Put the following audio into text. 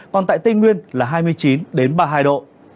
còn tại tây nguyên là hai mươi chín ba mươi hai độ